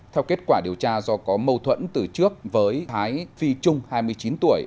theo kết quả điều tra do có mâu thuẫn từ trước với thái phi trung hai mươi chín tuổi